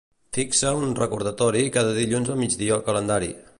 Fixa un recordatori cada dilluns al migdia al calendari.